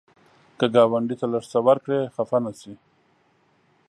که ګاونډي ته لږ څه ورکړې، خفه نشي